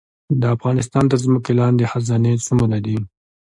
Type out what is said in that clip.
د افغانستان تر ځمکې لاندې خزانې څومره دي؟